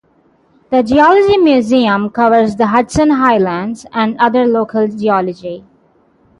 The Geology Museum covers the Hudson Highlands and other local geology.